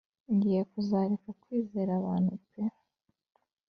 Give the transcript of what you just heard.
Ngiye kuzareka kwizera abantu pe